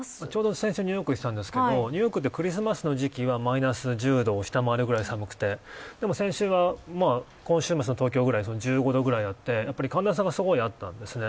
先週、ニューヨークに行っていたんですけどクリスマスの時期はマイナス１０度を下回るくらい寒くてでも先週は、今週末の東京と同じで１５度くらいあって寒暖差がありました。